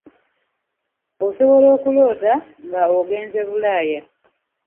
Osobola okuloota nga ogenze Bulaaya.